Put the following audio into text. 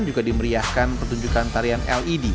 juga dimeriahkan pertunjukan tarian led